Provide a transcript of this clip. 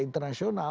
kita harus jual